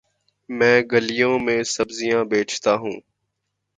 میں گلیوں میں سبزیاں بیچتا ہوں